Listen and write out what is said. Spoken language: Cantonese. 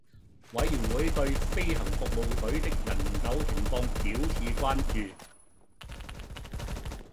委員會對飛行服務隊的人手情況表示關注